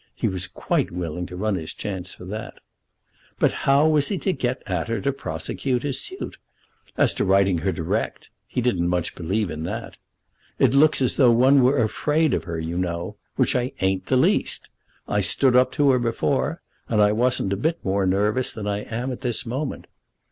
He was quite willing to run his chance for that. But how was he to get at her to prosecute his suit? As to writing to her direct, he didn't much believe in that. "It looks as though one were afraid of her, you know; which I ain't the least. I stood up to her before, and I wasn't a bit more nervous than I am at this moment.